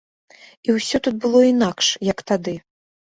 І ўсё тут было інакш, як тады.